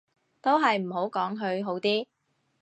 都係唔好講佢好啲